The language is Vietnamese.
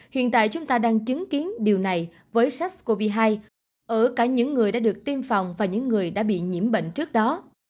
hiện tại chúng ta đang chứng kiến điều này với sars cov hai ở cả những người đã được tiêm phòng và những người đã bị nhiễm bệnh trước đó